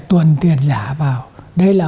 tuần tiền giả vào đây là